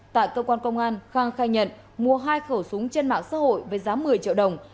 tại cơ quan công an khang khai nhận mua hai khẩu súng trên mạng xã hội với giá một mươi triệu đồng